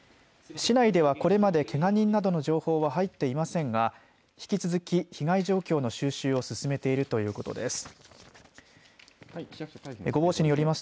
市内ではこれまでけが人などの情報は入っていませんが引き続き被害状況の収集を進めているということです。